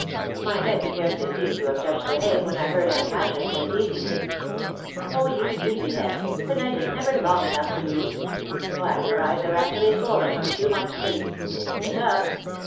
My head scarcely seemed to have touched the hay when I heard Aunt Masha say, teasingly, "Oh, you sleepy head, the night is never long enough for you. Why, your eyes are actually swollen from too much sleep. Get up."